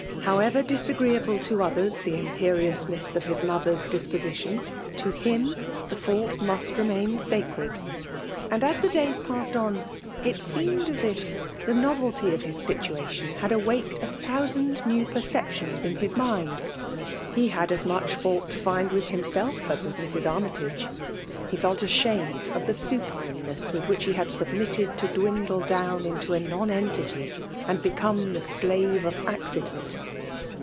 However disagreeable to othere the impenousness of his mother *s disposition, to him the fault must remain sacred. And, as the days passed on, it seemed as if ^ WiKLE DOlflKATiaN. tilie novelty of his situatioti httd awaked a thoufand new pereeptioAs in his mind. He had as miieh fiwit to find with himself as with Mrs. Armytage. He felt ashamed of the supineness with which he had submitted to dwindle down into a nonentity^ and became the slave of accident.